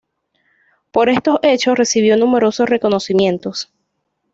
Por estos hechos recibió numerosos reconocimientos.